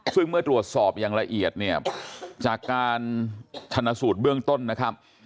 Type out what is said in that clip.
ซึ่งเมื่อตรวจสอบอย่างละเอียดเนี่ยจากการชนะสูตรเบื้องต้นนะครับ